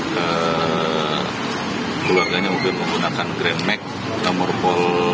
keluarganya mungkin menggunakan grand mag nomor pol